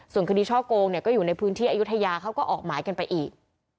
ส่วนคดีช่อโกงเนี่ยก็อยู่ในพื้นที่อายุทยาเขาก็ออกหมายกันไปอีก